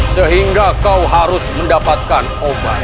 sehingga kau harus mendapatkan obat